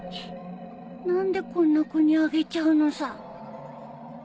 何でこんな子にあげちゃうのさ